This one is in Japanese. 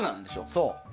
そう。